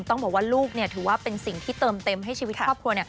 ต้องบอกว่าลูกถือว่าเป็นสิ่งที่เติมเต็มให้ชีวิตครอบครัว